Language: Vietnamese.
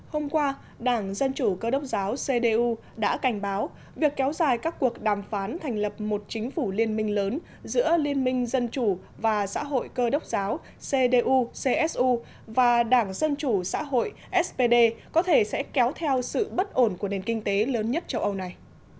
hôm qua đảng dân chủ cơ đốc giáou đã cảnh báo việc kéo dài các cuộc đàm phán thành lập một chính phủ liên minh lớn giữa liên minh dân chủ và xã hội cơ đốc giáo cdu csu và đảng dân chủ xã hội spd có thể sẽ kéo theo sự bất ổn của nền kinh tế lớn nhất châu âu này